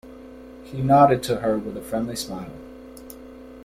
He nodded to her with a friendly smile.